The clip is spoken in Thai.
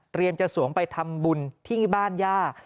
เตรียมจะสวงไปทำบุญที่บ้านย่า